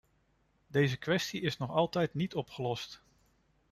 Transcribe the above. Deze kwestie is nog altijd niet opgelost.